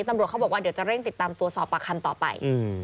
ตำรวจเขาบอกว่าเดี๋ยวจะเร่งติดตามตัวสอบปากคำต่อไป